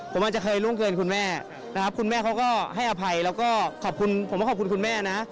ก็ได้คุยกันแล้วคุณแม่เขาก็ขอบคุณผมนะครับ